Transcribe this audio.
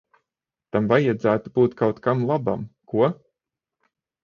Tam vajadzētu būt kaut kam labam, ko?